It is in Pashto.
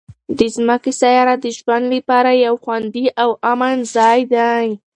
د ځمکې سیاره د ژوند لپاره یو خوندي او امن ځای دی.